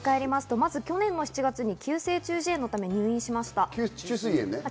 まず去年７月、急性虫垂炎のために入院しました。